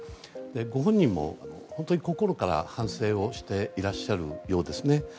ご本人も本当に心から反省をしていらっしゃるようですね。